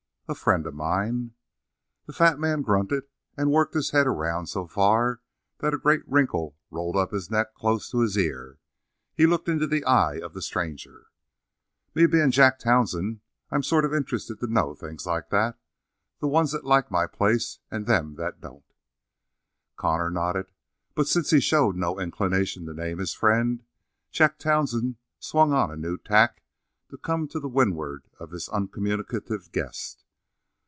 "A friend of mine." The fat man grunted and worked his head around so far that a great wrinkle rolled up his neck close to his ear. He looked into the eye of the stranger. "Me being Jack Townsend, I'm sort of interested to know things like that; the ones that like my place and them that don't." Connor nodded, but since he showed no inclination to name his friend, Jack Townsend swung on a new tack to come to the windward of this uncommunicative guest.